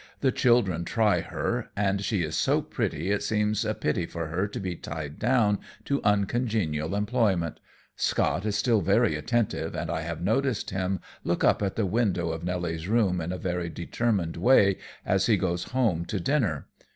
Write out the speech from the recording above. The children try her, and she is so pretty it seems a pity for her to be tied down to uncongenial employment. Scott is still very attentive, and I have noticed him look up at the window of Nelly's room in a very determined way as he goes home to dinner.